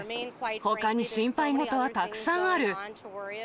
ほかに心配事はたくさんある。